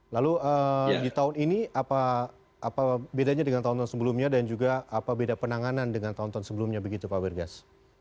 lalu di tahun ini apa bedanya dengan tahun tahun sebelumnya dan juga apa beda penanganan dengan tahun tahun sebelumnya begitu pak bergas